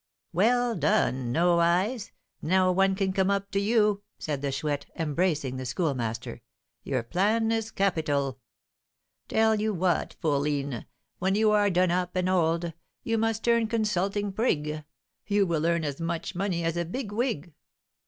'" "Well done, No Eyes! No one can come up to you," said the Chouette, embracing the Schoolmaster. "Your plan is capital! Tell you what, fourline, when you are done up and old, you must turn consulting 'prig'; you will earn as much money as a 'big wig.'